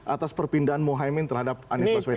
atas perpindahan mohaimin terhadap anies baswedan